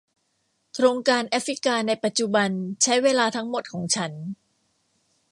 โครงการแอฟริกาในปัจจุบันใช้เวลาทั้งหมดของฉัน